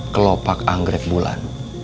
kelopak anggrek bulan